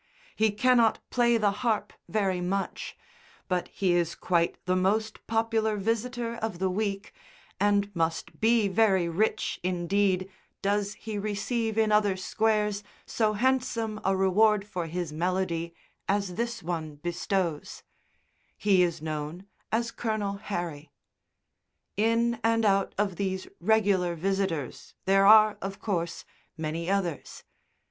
He cannot play the harp very much, but he is quite the most popular visitor of the week, and must be very rich indeed does he receive in other squares so handsome a reward for his melody as this one bestows; he is known as "Colonel Harry." In and out of these regular visitors there are, of course, many others.